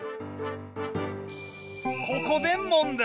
ここで問題。